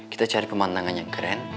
kita cari pemandangan yang keren